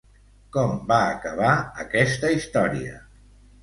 Com va acabar aquesta història?